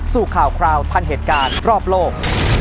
สู่ข่าวคราวทันเหตุการณ์รอบโลก